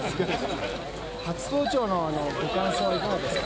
初登頂のご感想はいかがですか？